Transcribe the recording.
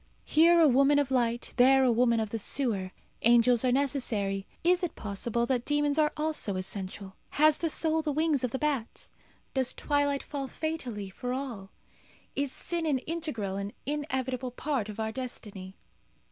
Here a woman of light, there a woman of the sewer. Angels are necessary. Is it possible that demons are also essential? Has the soul the wings of the bat? Does twilight fall fatally for all? Is sin an integral and inevitable part of our destiny?